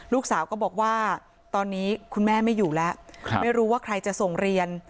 ลูกสาวก็บอกว่าตอนนี้คุณแม่ไม่อยู่แล้วไม่รู้ว่าใครจะส่งเรียน